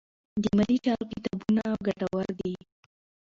د مالي چارو کتابونه ګټور دي.